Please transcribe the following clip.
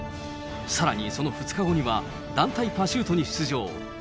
さらにその２日後には、団体パシュートに出場。